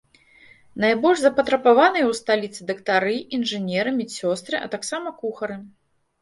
Найбольш запатрабаваныя ў сталіцы дактары, інжынеры, медсёстры, а таксама кухары.